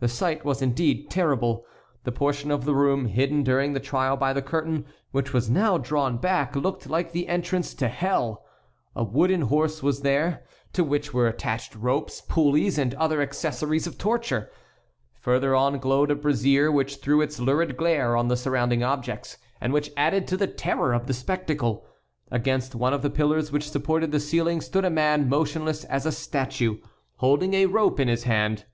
The sight was indeed terrible. The portion of the room hidden during the trial by the curtain, which was now drawn back, looked like the entrance to hell. A wooden horse was there, to which were attached ropes, pulleys, and other accessories of torture. Further on glowed a brazier, which threw its lurid glare on the surrounding objects, and which added to the terror of the spectacle. Against one of the pillars which supported the ceiling stood a man motionless as a statue, holding a rope in his hand.